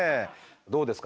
どうですか？